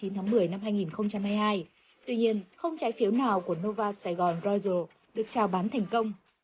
tuy nhiên không trái phiếu nào của nova saigon royal được chào bán thành công